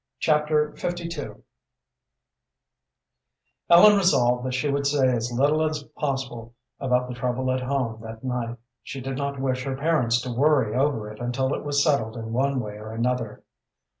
Chapter LII Ellen resolved that she would say as little as possible about the trouble at home that night. She did not wish her parents to worry over it until it was settled in one way or another.